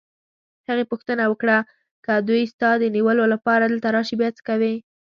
هغې پوښتنه وکړه: که دوی ستا د نیولو لپاره دلته راشي، بیا څه کوې؟